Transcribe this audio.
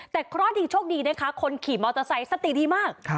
แต่เคราะห์ดีโชคดีนะคะคนขี่มอเตอร์ไซค์สติดีมาก